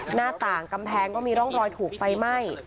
หน้าต่างกำแพงก็มีร่องรอยถูกไฟไหม้